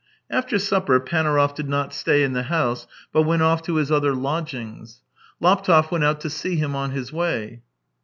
After supper Panaurov did not stay in the house, but went off to his other lodgings. Laptev went out to see him on his way.